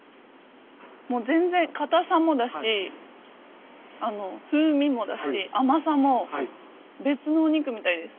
全然硬さもだし風味もだし甘さも別のお肉みたいです。